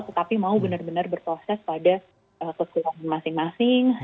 tetapi mau benar benar berproses pada keseluruhan masing masing